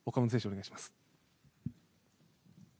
お願いします。